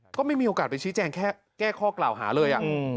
ก็ไม่มีโอกาสไปชี้แจงแค่แก้ข้อกล่าวหาเลย